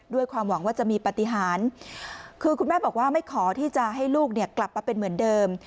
ด้วยความหวังว่าจะมีปฏิหารคือคุณแม่บอกว่าไม่ขอที่จะให้ลูกเนี่ยกลับมาเป็นเหมือนเดิม